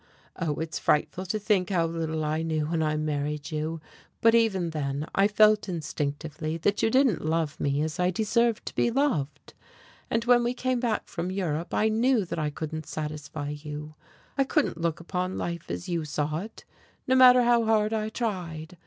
Oh, it is frightful to think how little I knew when I married you, but even then I felt instinctively that you didn't love me as I deserved to be loved. And when we came back from Europe I knew that I couldn't satisfy you, I couldn't look upon life as you saw it, no matter how hard I tried.